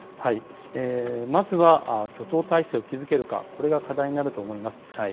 まずは挙党態勢を築けるか、これが課題になると思います。